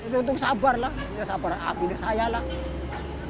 tidak ada yang bisa dihubungi